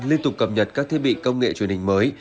liên tục cập nhật các thiết bị công nghệ truyền hình mới